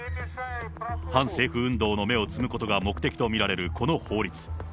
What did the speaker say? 反政府運動の芽を摘むことが目的と見られるこの法律。